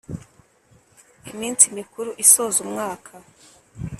iminsi mikuru isoza umwaka